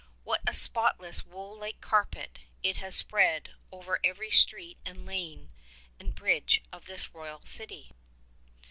What a spotless, Avool like carpet it has spread over every street and lane and bridge of this royal city!